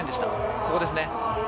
ここですね。